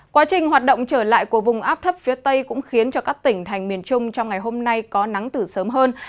quá trình hoạt động trở lại của vùng áp thấp phía tây cũng khiến cho các tỉnh thành miền trung trong ngày hôm nay có nắng từ sớm hơn